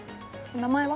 名前は？